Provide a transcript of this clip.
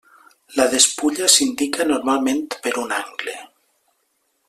La despulla s'indica normalment per un angle.